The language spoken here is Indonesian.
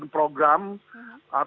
memulainya memulainya memulainya